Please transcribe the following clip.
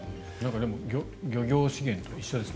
漁業資源と一緒ですね。